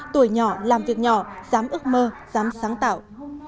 tuổi nhỏ làm việc nhỏ dám ước mơ dám sáng tạo